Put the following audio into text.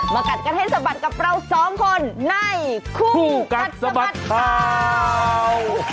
กัดกันให้สะบัดกับเราสองคนในคู่กัดสะบัดข่าว